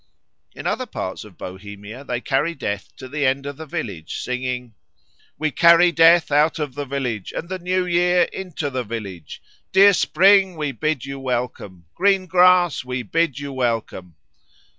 In other parts of Bohemia they carry Death to the end of the village, singing "We carry Death out of the village, And the New Year into the village. Dear Spring, we bid you welcome, Green grass, we bid you welcome."